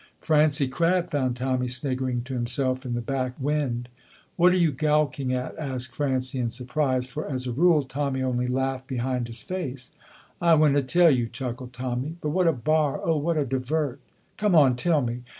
Francie Crabb found Tommy sniggering to himself in the back wynd. "What are you goucking at?" asked Francie, in surprise, for, as a rule, Tommy only laughed behind his face. "I winna tell you," chuckled Tommy, "but what a bar, oh, what a divert!" "Come on, tell me."